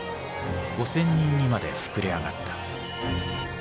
５，０００人にまで膨れ上がった。